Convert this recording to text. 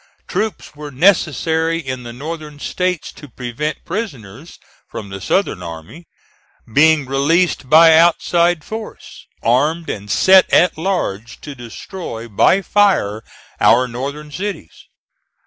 Troops were necessary in the Northern States to prevent prisoners from the Southern army being released by outside force, armed and set at large to destroy by fire our Northern cities.